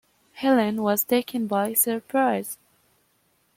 Helene was taken by surprise.